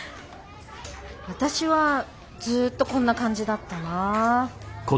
私はずっとこんな感じだったな。